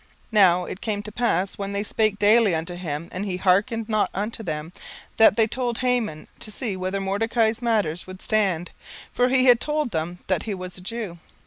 17:003:004 Now it came to pass, when they spake daily unto him, and he hearkened not unto them, that they told Haman, to see whether Mordecai's matters would stand: for he had told them that he was a Jew.